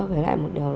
với lại một điều đó là